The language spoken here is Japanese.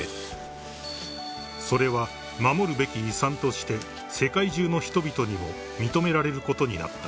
［それは守るべき遺産として世界中の人々にも認められることになった］